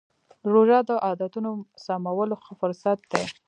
روژه د عادتونو سمولو ښه فرصت دی.